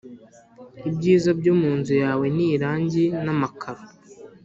ibyiza byo mu nzu yawe ni irangi namakaro